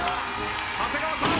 長谷川さん。